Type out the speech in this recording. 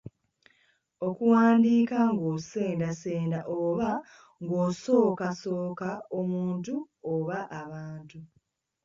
Okuwandiika ng’osendasenda oba ng’osokaasooka omuntu oba abantu.